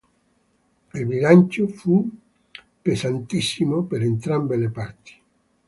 Il bilancio fu pesantissimo, per entrambe le parti.